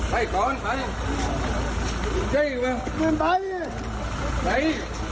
ไปไปก่อนไป